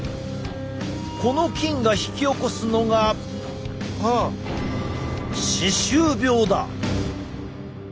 この菌が引き起こすのが歯周病だ。